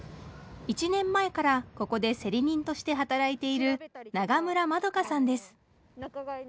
１年前からここで競り人として働いている永村まどかさんです。